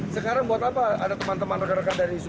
sekarang buat apa ada teman teman rekan rekan dari